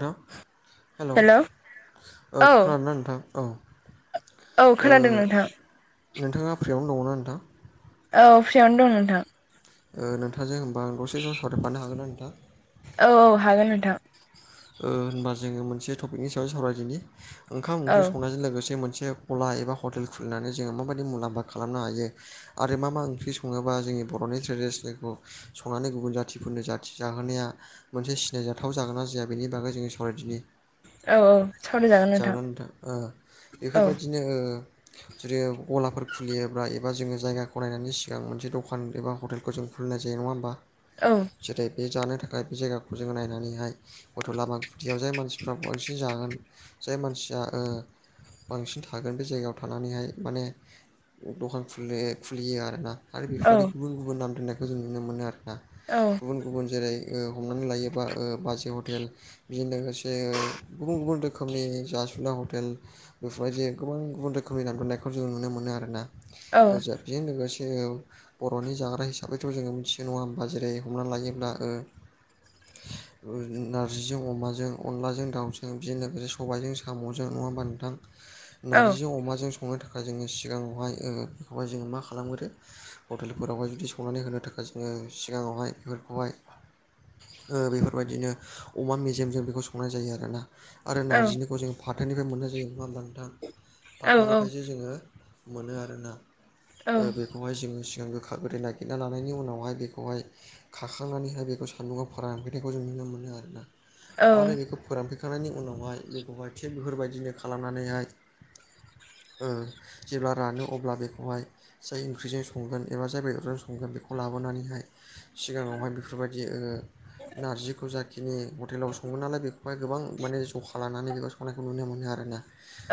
थ हेल' ओ हेलौ औ खोनादोंना नोंथां औ। औ ओ खोनादों नोंथां नोंथाङा फ्रियावनो दङ ना नोंथां? औ फ्रियावनो दं नोंथां। ओ नोंथाजों होनबा आं दसे सम सावरायफानो हागोन्ना नोंथां? औ औ हागोन नोंथां। ओ होनबा जोङो मोनसे टपिक नि सायाव सावरायदिनि ओंखाम औ ओंख्रि संनायजों लोगोसे मोनसे अला एबा हटेल खुलिनानै जोङो माबायदि मुलाम्फा खालामनो हायो। आरो मा मा ओंख्रि सङोबा जोंनि बर'नि ट्रेडिसनेलखौ संनानै गुबुन जाथिफोरनो जाथि जाहोनाया मोनसे सिनायजाथाव जागोन ना जाया बेनि बागै जोंनि सावरायदिनि। औ सावरायजागोन नोंथां जागोन नोथां ओ औ बेफोरबायदिनो ओ जुदि गलाफोर खुलियोब्ला एबा जोङो जायगाखौ नायनायनि सिगां मोनसे दखान एबा हटेल खौजों खुलिनाय जायो नङा होनोमबा? औ। जेरै' बे जानो थाखाय बे जायगाखौ जोङो नायनानै हाय गथ' लामा गुदियाव जाय मानसिफ्रा बांसिन जागोन जाय मानसिया ओ बांसिन थागोन बे जायगायाव थानानैहाय माने दखान खुले खुलियो आरो ना। आरो औ बेफोरनि गुबुन गुबुन नाम दोननायखौ जों नुनो मोनो आरो ना। औ। गुबुन गुबुन जेरै' ओ हमनानै लायोबा ओ बाजै ह टेल बिजों लोगोसे गुबुन गुबुन रोखोमनि जासुला हटेल बेफोरबायदि गोबां गुबुन रोखोमनि दा खौ जों नुनो मोनो आरो ना। औ बेजों लोगोसे बर'नि जाग्रा हिसाबैथ' जोङो मिथियो नङा होमबा जेरै हमना लायोब्ला नार्जिजों अमाजों, अनलाजों दाउजों, बिजों लोगोसे सबाइजों साम'जों नङा होनबा नोंथां? औ नार्जिजों अमाजों संनो थाखाय जोङो सिगाङावहाय बेखौहाय जोङो मा खालामगोरो हटेलफोरावहाय जुदि संनानै होनो थाखाय जोङो सिगाङावहाय बेफोरखौहाय बेफोरबायदिनो अमा मेजेमजों बेखौ संनाय जायो आरोना आरो औ नारजिनिखौ जों फाथोनिफ्राय मोननाय जायो नङा होनबा नोंथां? फाथोनिफ्रायसो जोङो मोनो आरो ना। औ ओ बेखौहाय जोङो सिगां गोखा गोदै नागिरना लानायनि उनावहाय बेखौहाय खाखांनानैहाय बेखौ सान्दुंङआव फोरानफैनायखौ जों नुनो मोनो आरोना औ आरो बेखौ फोरान फैखांनायनि उनावहाय बेखौहाय थिग बेफोरबायदिनो खालामनानैहाय ओ जेब्ला रानो अब्ला बेखौहाय जाय ओंख्रिजों संगोन एबा जाय बेदरजों संगोन बेखौ लाबोनानैहाय सिगाङावहाय बेफोरबायदि ओ नारजिखौ जा खिनि हटेलाव सङो नालाय बेखौहाय गोबां माने जखा लानानै बेखौ संनायखौ नुनो मोनो आरोना।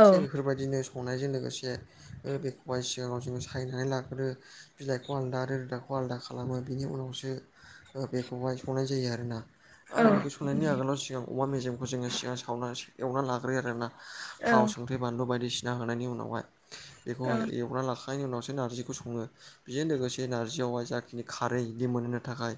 औ उम औ थिग बेफोरबायदिनो संनायजों लोगोसे ओ बेखौबा सिगाङाव जोङो सायनानै लाग्रो बिलाइखौ आलादा रोदाखौ आलादा खालामो बिनि उनावसो ओ बेखौहाय संनाय जायो आरोना। औ आरो एखौ संनायनि आगोलाव सिगां अमा मेजेमखौ जोङो सिगां सावना एवना लाग्रोयो आरो ना। औ थाव, संख्रि, बानलु बायदिसिना होनायनि उनावहाय बेखौहाय एवना लाख खायनि उनावसो नार्जिखौ सङो। बेजों लोगोसे नार्जियावहाय जाखिनि खारै बे मोनहोनो थाखाय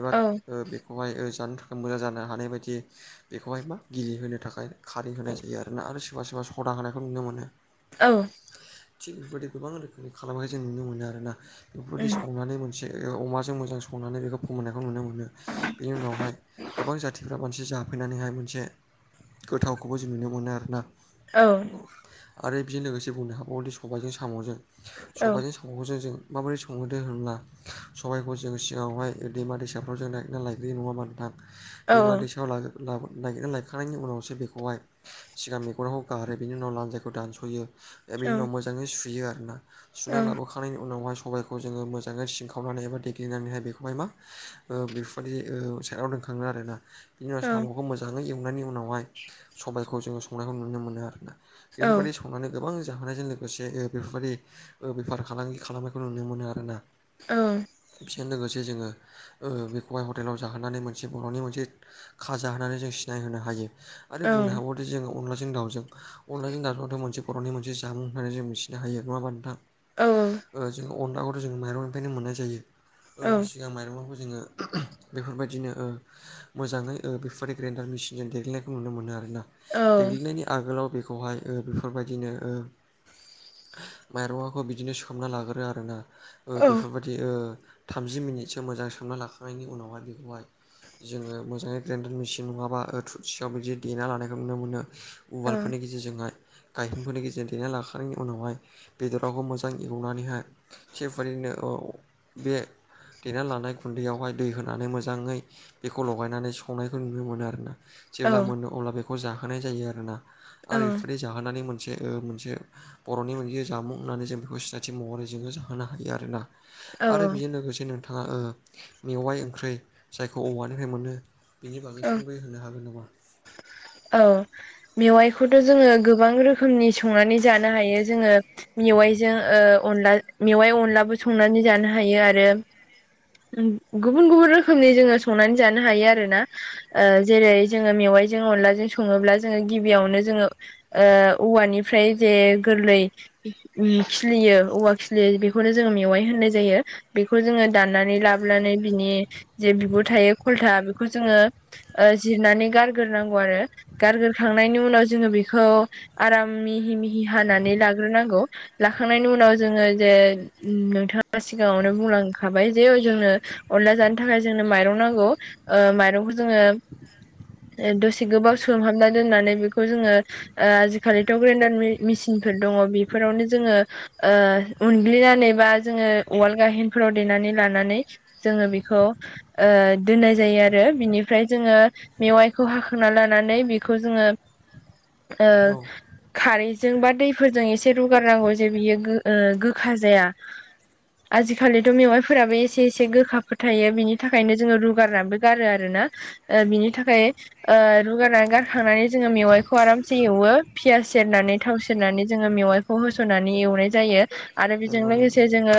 एबा ओ बेखौहाय ओ जानो थाखाय मोजां जानो हानाय बायदि बेखौहाय मा गिलि होनो थाखाय खारै होनाय जायो आरो ना। आरो सोरबा सोरबा सदा होनायखौ नुनो मोनो। औ थिग बेफोरबायदि गोबां रोखोमनि खालामनाय जों नुनो मोनो आरोना। बेफोर दि संनानै मोन से एल अमाजों मोजां संनानै बेखौ फोमोननायखौ नुनो मोनो। बेनि उनावहाय गोबां जाथिफ्रा मानसि जाफैनानैहाय मोनसे गोथावखौबो जों नुनो मोनो आरो ना। औ आरो बेजों लोगोसे बुंनो हाबावोदि सबायजों साम'जों सबायजों सा म'जों जों माबोरै संहोदो होनब्ला सबायखौ जों सिगाङावहाय ओ दैमा दैसाफ्राव जों नागिरना लायग्रोयो नङा होमबा नोंथां? दैमा दैसायाव ला-लाबो नायगिरना लायखांनायनि उनावसो बेखौहाय सिगां मेगनाव गारो बेनि उनाव लान्जायखौ दानस'यो। ए बिनि उनाव मोजाङै सुयो आरो ना। सुना लाबोखा खांनायनि उनावहाय सबायखौ जोङो मोजाङै सिनखावनानै एबा देग्लिनानैहाय बेखौहाय मा ओ बेफोर बादि ओ सायदाव दोनखाङो आरोना। बिनि उनाव साम'खौ मोज जाङै एवनायनि उनावहाय सबायखौ जोङो संनायखौ नुनो मोनो आरोना। बेफोर बायदि स संनायनि गोबां जाहोनायजों लोगोसे ए बेफोरबायदि ओ बेफार फालांगि खालामनायखौ नुनो मोनो आरोना। ओं फिजों लोगोसे जोङो ओ बेखौहाय हटेलाव जाहोनानै मोन से बर'नि मोनसे खाजा होननानै जों सिनायहोनो हायो। औ आरो बुंनो हाबाव दि जों अनलाजों दावजों अनलाजों दाथ' मोनसे बर'नि मोनसे जामुं होननानै जों मिथिनो हायो। नङा होमबा नोंथां? ओ जोङो अनलाखौथ' जोङो माइरंनिफ्रायनो मोननाय जायो। ओ जि सिगां माइरं बाबो जोङो बेफोरबायदिनो ओ मोजाङै ओ बेफोर ग्रानदार मेसिनजों देग्लिनायखौ नुनो मोनो आरोना। देग्लिनायनि आगोलाव बेखौहाय ओ बेफोर बायदिनो ओ मायरंआखौ बिदिनो सोमना लाग्रोयो आरोना। ओ बेफोरबाय दि ओ थामजि मिनिटसो मोजां सोमना लाखांनायनि उनावहाय बेखौहाय जोङो मोजाङै ग्रेडार मेसिन नङाबा ओ थु सिखा बादि देना लानायखो नुनो मोनो औ उवालफोरनि गेज जे जोंहाय गायखंफोरनि गेजेरजों दैना लाखांनायनि उनावहाय बेदरावखौ मोजां एवनानैहाय थिग फादिनो बे देना लानाय गुन्दैयावहाय दै होनानै मोजाङै बेखौ लगायनानै संनायखौ नुनो मोनो आरोना। जेब्ला मोनो अब्ला बेखौ जाहोनाय जायो आरोना। आरो एफोरदि जाहोनानै मोनसे ओ मोनसे बर'नि मोनसे जामुं होननानै जों बेखौ सिनायथि महरै जोङो जाहोनो हायो आरोना। आरो बेजों लोगोसे नोंथाङा ओ मेवाइ ओंख्रै जायखौ औवानिफ्राय मोनो। बिनि औ बागै सुंद'यै होननो हागोन नामा? औ मेवाइखौथ' जोङो गोबां रोख खोमनि संनानै जानो हायो जोङो। मेवाइजों ओ अनला मेवाइ अनलाबो संनानै जानो हायो। आरो उम गुबुन गुबुन रोखोमनि जोङो संनानै जानो हायो आरो ना। ओ जेरै जोङो मेवाइजों अनलाजों सङोब्ला जोङो गिबियावनो जोङो। ओ औवानिफ्राय जे गोरलै उ खिलियो औवा खिलियो बेखौनो जोङो मेवाइ होननाय जायो। बेखौ जोङो दाननानै नानै लाबोनानै बिनि जे बिगुर थायो खलथा बेखौ जोङो ओ जिरनानै गारग्रोनांगौ आरो गारग्रोखांनायनि उनाव जोङो बेखौ आराम मिहि मिहि हानानै लाग्रोनांगौ। लाखांनायनि उनाव जोङो जे नोंथाङा सिगाङावनो बुंलांखाबाय जे जोंनो अनला जानो थाखाय जोंनो माइरं नांगौ ओ माइरंखौ जोङो दसे गोबाव सोमहाबना दोननानै बेखौ जोङो ओ आजिखालिथ' ग्रेन्डार मेसिनफोर दङ बेफोरावनो जोङो ओ उनग्लिनानै बा जोङो उवाल गाहेनफोराव देनानै लानानै जोङो बेखौ ओ दोननाय जायो आरो। बिनिफ्राय जोङो मेवाइखौ हाखांना लानानै बेखौ जोङो [inaudible] ओ औ खारैजों बा दैफोरजों एसे रुगारनांगौ जे बियो ओ गोखा जाया आजिखालिथ' मेवाइ फोराबो एसे एसे गोखाफोरो थायो बिनि थाखायनो जोङो रुगारनानैबो गारो आरोना। ओ बिनि थाखाय ओ रुगारना गारखांनानै जोङो मेवाइखौ आरामसे एवो पियास सेरनानै थाव सेरनानै जोङो मेवाइखौ होस'नानै एवनाय जायो। आरो बेजों नंगौ नंगौ लोगोसे जोङो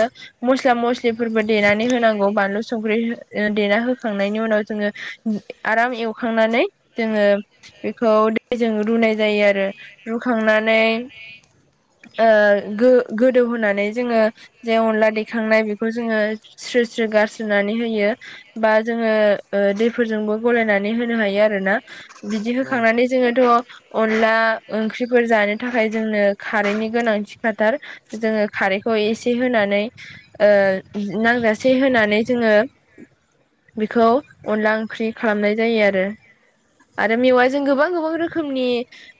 मस्ला, मस्लि फोरबो देनानै होनांगौ बानलु संख्रि देना होखांनायनि उनाव जोङो आराम एवखांनानै जोङो बेखौ दैजों रुनाय जायो। आरो रुखांनानै ओ गो गोदौ होनानै जोङो जे अनला दैखांनाय बे खौ जोङो स्रो-स्रो गारस्रोनानै होयो। बा जोङो ओ दैफोरजोंबो गलायनानै होनो हायो आरोना। बिदि औ होखांनानै जोङोथ' अनला ओंख्रिफोर जानो थाखाय जोंनो खारैनि गोनांथि खाथार जोङो खारैखौ एसे होनानै ओ नांजासे होनानै जोङो बेखौ अनला ओंख्रि खालामनाय जायो आरो। आरो मेवाजों गोबां-गोबां रोखोमनि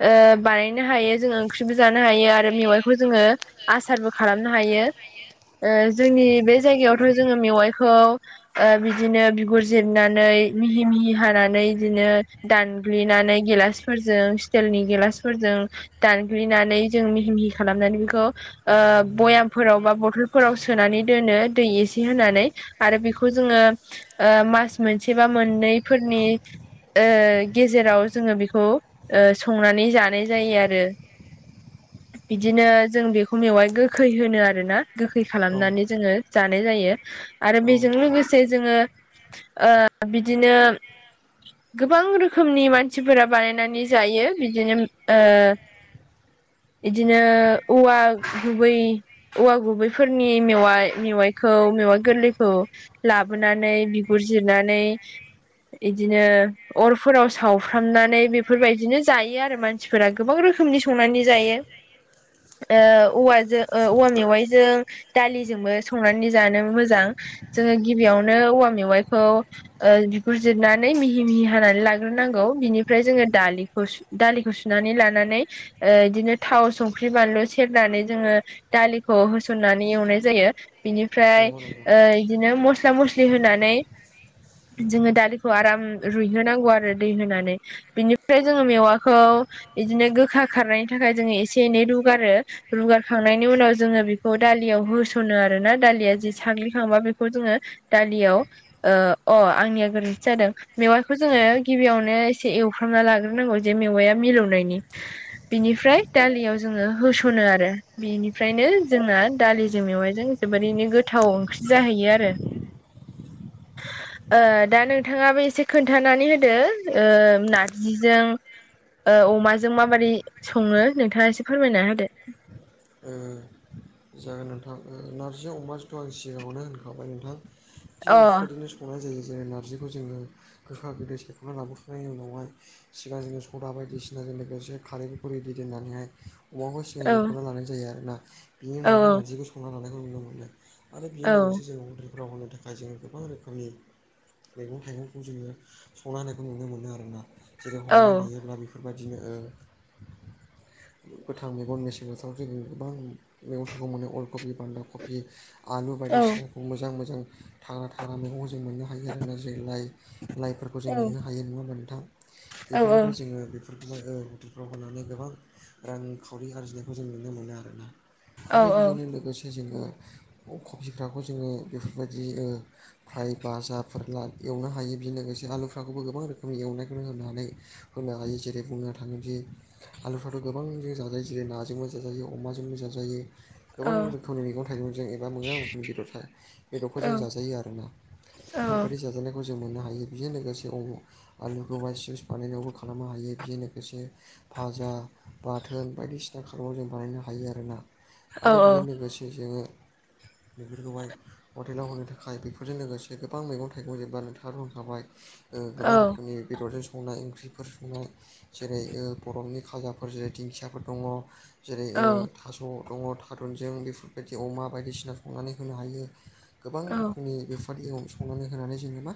ओ बानायनो हायो जोङो ओंख्रिबो जानो हायो। आरो मेवाइखौ जोङो आसारबो खालामनो हायो ऐ जोंनि बे जायगायावथ' जोङो मेवाइखौ ओ बिदिनो बिगुर जिरनानै मिहि मिहि हानानै बिदिनो दानग्लिनानै गिलासफोरजों स्टिलनि गिलासफोरजों दानग्लिनानै जों मिहि मिहि खालामनानै बेखौ ओ बयामफोराव बा बथलफोराव सोनानै दोनो दै एसे होनानै आरो बेखौ जोङो ओ मास मोनसे बा मोननैफोरनि ओ गेजेराव जोङो बेखौ ओ संनानै जानाय जायो आरो। बिदिनो जों बेखौ मेवाय गोखै होनो आरोना गोखै औ खालामनानै ओ जोङो जानाय जायो आरो औ बेजों लोगोसे जोङो बिदिनो गोबां रोखोमनि मानसिफोरा बानायनानै जायो बिदिनो ओ बिदिनो औवा गुबै औवा गुबै फोरनि मेवाइ मेवाइखौ मेवाइ गोरलैखौ लाबोनानै बिगुर जिरनानै इदिनो अरफोराव सावफ्रामनानै बेफोरबायदिनो जायो आरो मान मानसिफोरा गोबां रोखोमनि संनानै जायो। जायो ओ औवाजों औवा मेवाइजों दालिजोंबो संनानै जानो मोजां जोङो गिबियावनो औवा मेवाइखौ ओ बिगुर जिरनानै मिहि मिहि हानानै लाग्रोनांगौ बिनिफ्राय जोङो दालिखौ सु दालिखौ सुनानै लानानै ओ बिदिनो थाव संख्रि बानलु सेरनानै जोङो दालिखौ। होस होनानै एवनाय जायो बिनिफ्राय नंगौ नंगौ ओ बिदिनो मस्ला मस्लि होनानै जोङो दालिखौ आराम रुइहोनांगौ आरो दै होनानै बिनिफ्राय जोङो मेवाखौ बिदिनो गोखा खारनायनि थाखाय जोङो एसे एनै रुगारो रुगारखांनायनि उनाव जोङो बि बेखौ दालियाव होस'नो आरो ना दालिया जि साग्लिखांबा बेखौ जोङो दालियाव ओ अ आंनिया गोरोन्थि जादों मेवाइखौ जोङो गिबियावनो एसे एवफ्रामना लाग्रोनांगौ जे मेवआ मिलौनायनि बिनिफ्राय दालियाव जोङो होस'नो आरो बिनिफ्रायनो जोंना दालिजों मेवाइजों जोबोरैनो गोथाव ओंख्रि जाहैयो आरो [inaudible] ओ दा नोंथाङाबो एसे खोन्थानानै होदो ओ नारजिजों ओ अमाजों माबादै सङो नोंथाङा एसे फोरमायना होदो? ओ जागोन नोंथां ओ नारजि अमाथ' आं सिगाङावनो होनखाबाय नोंथां थि अ बेफोरनो संनाय जायो जेरै नारजिखौ जोङो गोखा बिदै सायख'ना लाबोखांनायनि उनावहाय सिगां जोङो सदा बायदिसिनाजों लोगोसे कारैखौ रेडि दोननानैहाय अमाखौ सिगां औ एवगना लानाय जायो आरो ना बिनि औ उनावहाय नारजिखौ संना लानायखौ नुनो मोनो। आरो बेजों लोगोसे जों हटेलफोराव होनो थाखाय जोङो गोबां रोखोमनि मैगं थाइगंखौ जोङो संना होनायखौ नुनो मोनो आरोना जेरै औ हमनानै लायोब्ला बे फोरबायदिनो ओ गोथां मेगन मेसें बोथोराव जोङ गोबां मैगं थाइखौ मोनो अलकबि बान्दा कबि आलु औ बायदिसिनाखौ मोजां मोजां थाग्रा थाग्रा मैगंखौ जों मोननो हायो आरोना जों लाइ लाइफोरखौ औ जों मोननो हायो नङा होमा नोंथां। औ बेफोरनिफ्राय जोङो बेफो फोरफोरखौहाय हटेलफ्राव होनानै गोबां रांखावरि आरजिनायखौ जों नुनो मोनो आरोना। औ आरो बेजोंनो लोगोसे जोङो क कबिफ्राखौजोङो बेफोरबायदि ओ फ्राय बाजाफोर लाएवनो हायो बेनि लोगोसे आलुफोरखौबो गोबां रोखोमनि एवनायखौनो होनो हानाय होनो हायो जेरै बुंनो थाङोदि आलुफानथाव गोबांजों जाजायो जेरै नाजोंबो जाजायो अमाजोंबो जाजायो। गोबां औ रोखोमनि मैगं थाइगंजों एबा मोगां रोखोमनि बेदर थ औ बेदरफोरजों जाजायो आर ना। औ बेफोरबायाददि जाजानाय खौ जों मोननो हायो बेजों लोगोसे आलुखौ बा सिुस फानायनायावबो खालामनो हायो बेजों लोगोसे भाजा बाथोन बायदिसिना खाराव जों बानायनो हायो आरोना। आरो औ बेजों लोगोसे जोङो बेफोरखौहाय हटेलाव होनो थाखाय बेफोरजों लोगोसे गोबां मैगं थाइगं जोबबा नोंथाङ होनखाबाय ओ गोबां रोखोमनि बेदरजों संनाय ओंख्रि बेफोर संनाय जेरै ओ बर'नि खाजाफोर जेरै दिंखियाफोर दङ जेरै ओ औ थास' दङ थारुनजों बेफोरबायदि अमा बायदिसिना संनानै होनो हायो। गोबां रोखोमनि बेफादाव संनानै होनानै जोंनो मा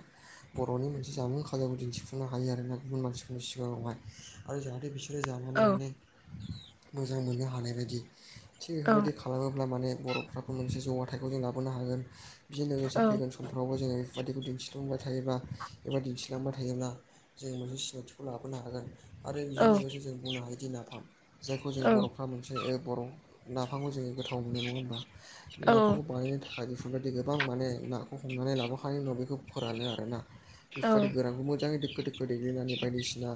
बर'नि मोनसे जामुं खाजाखौ दिन्थिफुंनो हायो आरोना गुबुन मानसिफोरनि सिगाङावहाय आरो जाहाथे बिसोर‌ सोरो जानानै औ माने मोजां मोननो हानाय बायदि थिग बेफोरबायदि खालामोब्ला माने बर'फ्राबो मोनसे जौगाथायाखौ जों लाबोनो हागोन बेजों लोगोसे फैगोन सम फ्रावबो जोङो एफोरबायदिखौ दिन्थिफ्लांबाय थायोबा एबा दिन्थिलांबाय थायोब्ला जों मोनसे सिनायथिखौ लाबोनो हागोन आरो बेजों लोगोसे जों बुंनो हायोदि नाफाम जायखौ जों बर'फ्रा मोनसे ओ बर' नाफामखौ जोङो गोथाव मोनो नङा होमबा बे नाफांखौ बानायनो था खाय एफोरबायदि गोबां माने नाखौ हमनानै लाबोखनायनि उनाव बेखौ फोरानो आरोना। [unintelligible] गोरानखौ मोजाङै दोखो दोखो दिग्लिनानै बायदिसिना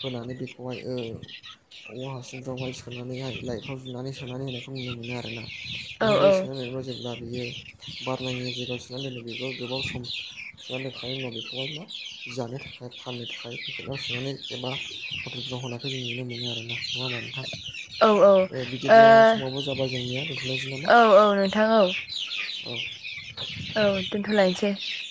होनानै बेखौहाय ओ औवा हासुंफ्रावहाय सोनानैहाय लायफ्राव जुना सोनानै होनायखौ नुनो मोनो आरोना बेफोरबायदि सोनानै [unintelligible] ब्ला बियो बारनांयि जायगायाव सोनानै दोनदो बेखौ गोबाव सम सोना दोनखांनायनि उनाव बेखौहाय मा जानो थाखाय फाननो थाखाय पेकेटाव सोनानै जेनेबा हटेलफ्राव होनायखौ जों नुनो मोनो आरोना नङा होमबा नोंथां औ बिदिब्ला औ समाबो जाबाय ओ जोंनिया दोनथ'लायनोसै नामा औ औ नोंथां औ औ दोनथ'लायनोसै